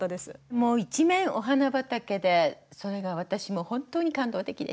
もう一面お花畑でそれが私も本当に感動的でした。